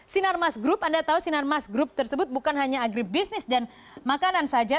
sinarmas group anda tahu sinarmas group tersebut bukan hanya agribisnis dan makanan saja